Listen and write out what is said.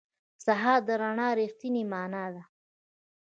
سهار د رڼا رښتینې معنا ده.